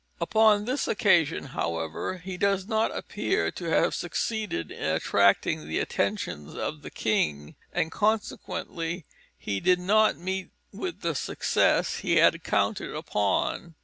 Upon this occasion, however, he does not appear to have succeeded in attracting the attentions of the king, and consequently he did not meet with the success he had counted upon.